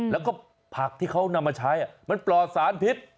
แล้วก็ผักที่เขานำมาใช้มันปลอดสารพิษ